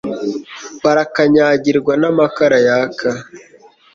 barakanyagirwa n'amakara yaka